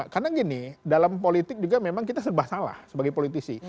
karena gini dalam politik juga memang kita serba salah sebagai politisi